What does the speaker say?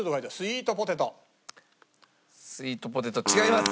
スイートポテト違います。